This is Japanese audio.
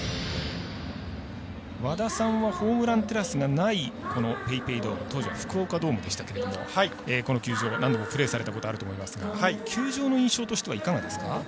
和田さんはホームランテラスがないＰａｙＰａｙドーム当時は福岡ドームでしたがこの球場、何度もプレーされたことあると思いますが球場の印象としてはいかがですか？